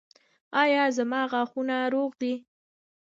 ایا زما غاښونه روغ دي؟